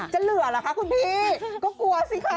จะเหลือเหรอคะคุณผู้ชมนิดหนึ่งก็กลัวสิค่ะ